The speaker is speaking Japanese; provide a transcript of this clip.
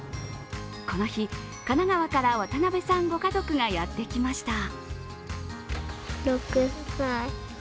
この日、神奈川から渡邉さんご家族がやってきました。